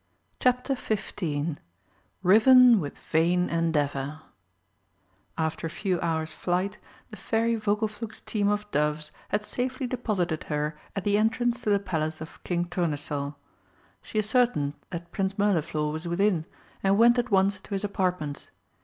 CHAPTER XV "RIVEN WITH VAIN ENDEAVOUR" After a few hours' flight the Fairy Vogelflug's team of doves had safely deposited her at the entrance to the Palace of King Tournesol. She ascertained that Prince Mirliflor was within and went at once to his apartments.